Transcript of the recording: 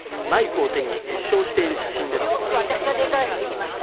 お洋服は私がデザインしてみました。